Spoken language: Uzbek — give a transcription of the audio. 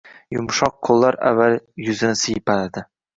Yumshoq qo‘llar avval yuzini siypaladi.